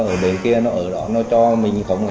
nó ở bên kia nó ở đó nó cho mình không ạ